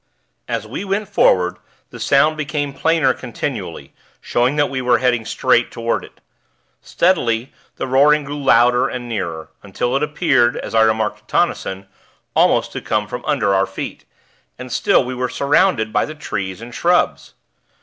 As we went forward, the sound became plainer continually, showing that we were heading straight toward it. Steadily, the roaring grew louder and nearer, until it appeared, as I remarked to Tonnison, almost to come from under our feet and still we were surrounded by the trees and shrubs.